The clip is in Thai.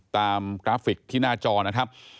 กราฟิกที่หน้าจอนะครับ